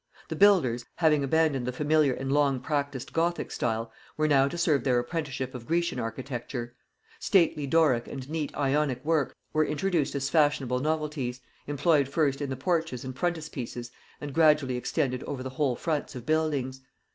The builders, having abandoned the familiar and long practised Gothic style, were now to serve their apprenticeship in Grecian architecture: 'stately Doricke and neat Ionicke work' were introduced as fashionable novelties, employed first in the porches and frontispieces and gradually extended over the whole fronts of buildings.